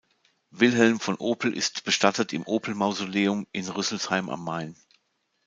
Wilhelm von Opel ist bestattet im Opel-Mausoleum in Rüsselsheim am Main.